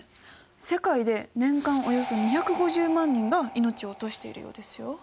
世界で年間およそ２５０万人が命を落としているようですよ。